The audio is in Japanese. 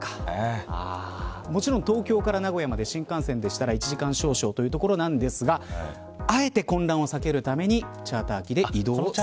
もちろん、東京から名古屋まで新幹線でしたら１時間少々というところなんですがあえて混乱を避けるためにチャーター機で移動しました。